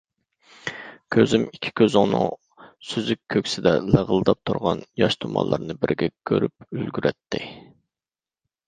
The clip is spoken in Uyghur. كۆزۈم ئىككى كۆزۈڭنىڭ سۈزۈك كۆكسىدە لىغىلداپ تۇرغان ياش تۇمانلىرىنى بىرگە كۆرۈپ ئۈلگۈرەتتى.